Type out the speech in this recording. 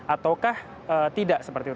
ataukah tidak seperti itu